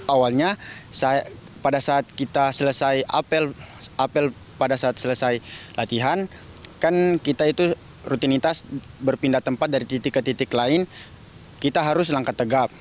awalnya pada saat kita selesai apel pada saat selesai latihan kan kita itu rutinitas berpindah tempat dari titik ke titik lain kita harus langkah tegap